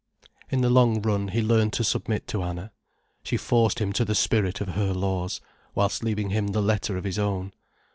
In the long run, he learned to submit to Anna. She forced him to the spirit of her laws, whilst leaving him the letter of his own.